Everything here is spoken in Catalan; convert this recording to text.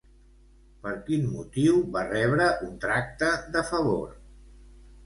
Per quin motiu va rebre un tracte de favor?